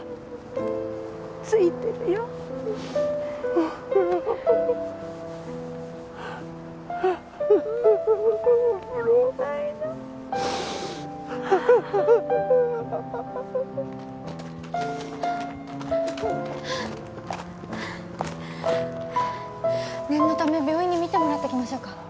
・はぁはぁ念のため病院に診てもらってきましょうか？